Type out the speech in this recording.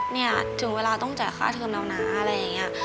เนี่ยถึงเวลาต้องจ่ายค่าเทิมแล้วนะอะไรอย่างนี้